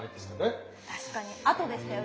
確かに後でしたよね。